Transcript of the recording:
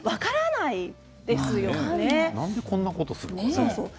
なんでこんなことするの？